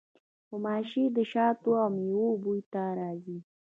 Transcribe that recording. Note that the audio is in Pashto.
غوماشې د شاتو او میوو بوی ته راځي.